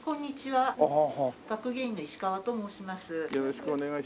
はい。